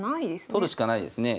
取るしかないですね。